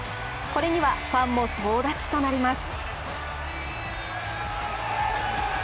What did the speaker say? これにはファンも総立ちとなります。